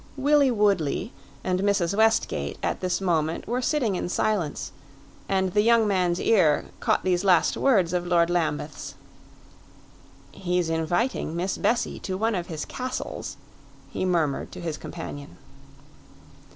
Willie Woodley and Mrs. Westgate at this moment were sitting in silence, and the young man's ear caught these last words of Lord Lambeth's. "He's inviting Miss Bessie to one of his castles," he murmured to his companion.